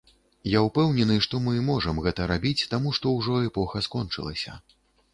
Я ўпэўнены, што мы можам гэта рабіць таму, што ўжо эпоха скончылася.